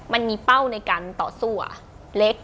มันมีเป้าในการต่อสู้อ่ะเหล็ก